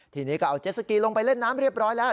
ทีนี้ก็เอาเจ็ดสกีลงไปเล่นน้ำเรียบร้อยแล้ว